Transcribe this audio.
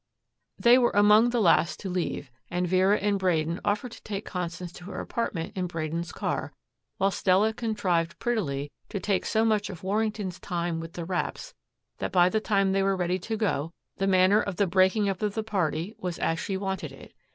They were among the last to leave and Vera and Braden offered to take Constance to her apartment in Braden's car, while Stella contrived prettily to take so much of Warrington's time with the wraps that by the time they were ready to go the manner of the breaking up of the party was as she wanted it.